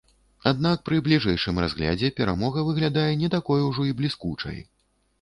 Аднак пры бліжэйшым разглядзе перамога выглядае не такой ужо і бліскучай.